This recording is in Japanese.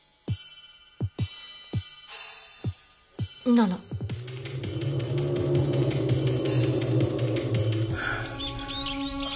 ７。はあ。